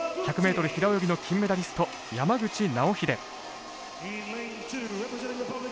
１００ｍ平泳ぎの金メダリスト山口尚秀。